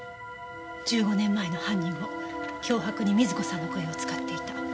１５年前の犯人も脅迫に瑞子さんの声を使っていた。